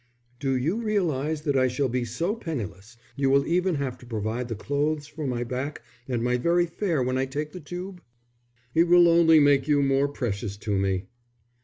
"Do you realize that I shall be so penniless, you will even have to provide the clothes for my back and my very fare when I take the tube?" "It will only make you more precious to me."